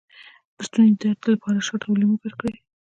د ستوني درد لپاره شات او لیمو ګډ کړئ